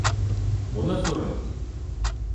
Ona soralım.